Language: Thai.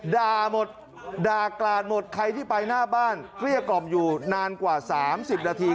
ด่าหมดด่ากราดหมดใครที่ไปหน้าบ้านเกลี้ยกล่อมอยู่นานกว่า๓๐นาที